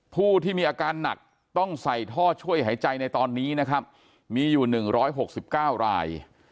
ผู้ที่มีอาการหนักต้องใส่ท่อช่วยหายใจในตอนนี้นะครับมีอยู่๑๖๙ราย